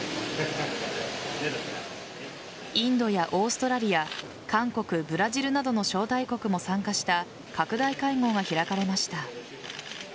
インドやオーストラリア、韓国ブラジルなどの招待国も参加した拡大会合が開かれました。